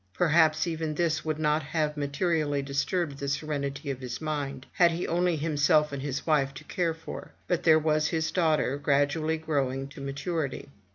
Perhaps even this would not have materially disturbed the serenity of his mind, had he had only himself and his wife to care for; but there was his daughter gradually growing to maturity.